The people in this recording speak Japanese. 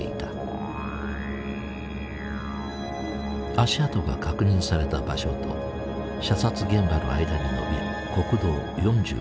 足跡が確認された場所と射殺現場の間に延びる国道４４号線。